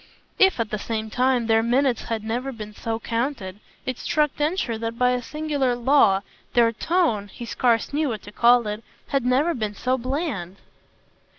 If at the same time their minutes had never been so counted it struck Densher that by a singular law their tone he scarce knew what to call it had never been so bland.